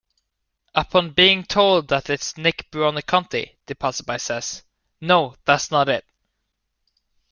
Upon being told that it's Nick Buoniconti, the passerby says, No, that's not it.